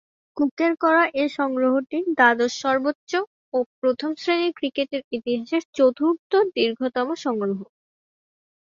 কুকের করা এ সংগ্রহটি দ্বাদশ সর্বোচ্চ ও প্রথম-শ্রেণীর ক্রিকেটের ইতিহাসে চতুর্থ দীর্ঘতম সংগ্রহ।